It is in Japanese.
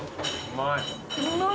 うまい。